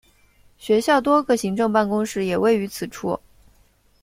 学校多个行政办公室也位于此处。